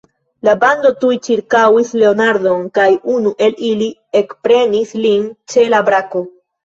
La bando tuj ĉirkaŭis Leonardon, kaj unu el ili ekprenis lin ĉe la brako.